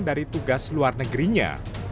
dari tugas luar negerinya